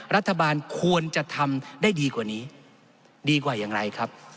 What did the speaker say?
รัฐบาลควรจะทำได้ดีกว่านี้ดีกว่าอย่างไรครับ